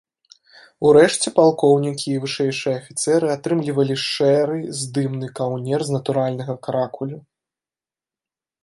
Урэшце палкоўнікі і вышэйшыя афіцэры атрымлівалі шэры здымны каўнер з натуральнага каракулю.